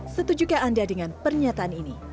setujukah anda dengan pernyataan ini